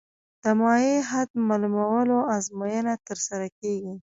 د مایع حد معلومولو ازموینه ترسره کیږي